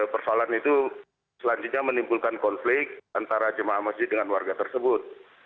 persoalan itu selanjutnya menimbulkan konflik antara jemaah masjid dengan warga tersebut